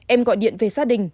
em gọi điện về gia đình